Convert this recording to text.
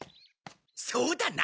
そうだな。